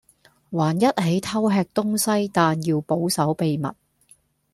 還一起偷吃東西但要保守秘密